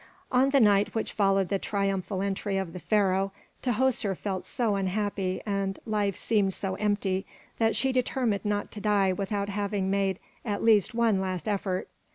On the night which followed the triumphal entry of the Pharaoh, Tahoser felt so unhappy and life seemed so empty that she determined not to die without having made at least one last effort.